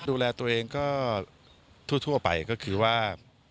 ดูแลตัวเองก็ทั่วไปก็คือว่า